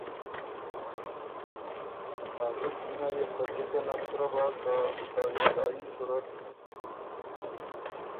ا زُت مېنه يې بُو خه جِکه نک سرۀ بَۀ که ته جدايي صورت